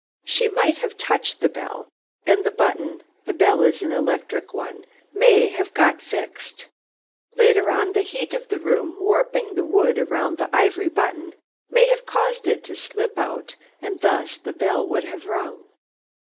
She might have touched the bell, and the button (the bell is an electric one) may have got fixed. Later on, the heat of the room, warping the wood round the ivory button, may have caused it to slip out, and thus the bell would have rung.